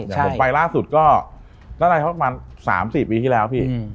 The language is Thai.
ผมไปล่าสุดก็ตั้งแต่ประมาณ๓๔ปีที่แล้วพี่